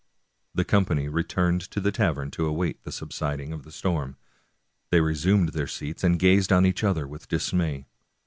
The company returned to the tavern to await the subsiding of the storm. They resumed their seats and gazed on each other with dismay.